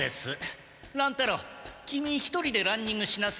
乱太郎キミ一人でランニングしなさい。